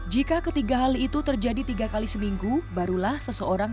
jika ketiga hal itu terjadi tiga kali seminggu barulah seseorang